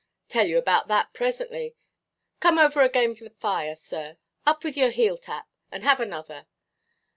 "Tell you about that presently. Come over again the fire, sir. Up with your heel–tap, and have another."